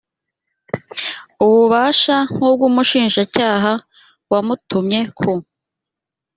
ububasha nk ubw umushinjacyaha wamutumye ku